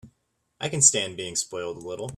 I can stand being spoiled a little.